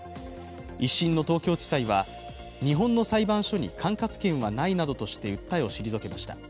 一審の東京地裁は日本の裁判所に管轄権はないなどとして訴えを退けました。